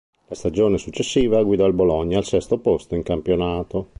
La stagione successiva guidò il Bologna al sesto posto in campionato.